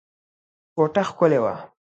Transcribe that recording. کوټه ښکلې وه.